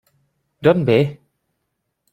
D'on ve?